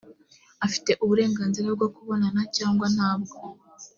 afite uburenganzira bwo kubonana cyangwa ntabwo